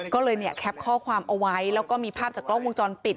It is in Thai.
ก็เลยเนี่ยแคปข้อความเอาไว้แล้วก็มีภาพจากกล้องวงจรปิด